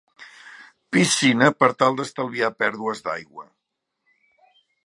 Piscina per tal d’estalviar pèrdues d’aigua.